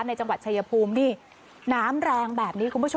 จังหวัดชายภูมินี่น้ำแรงแบบนี้คุณผู้ชม